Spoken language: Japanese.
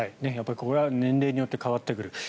やっぱりここは年齢によって変わってくる。